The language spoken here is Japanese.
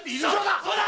そうだ！